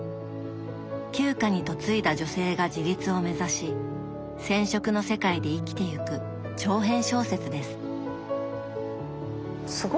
旧家に嫁いだ女性が自立を目指し染織の世界で生きてゆく長編小説です。